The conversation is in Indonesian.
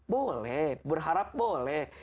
boleh berharap boleh